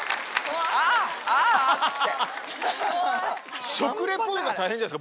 あああっつって。